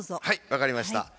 はい分かりました。